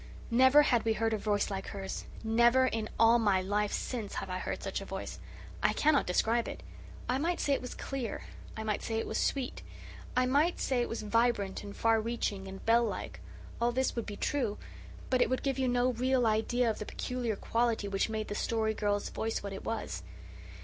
Never had we heard a voice like hers. Never, in all my life since, have I heard such a voice. I cannot describe it. I might say it was clear; I might say it was sweet; I might say it was vibrant and far reaching and bell like; all this would be true, but it would give you no real idea of the peculiar quality which made the Story Girl's voice what it was.